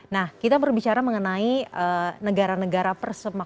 nah kita berbicara mengenai negara negara persemak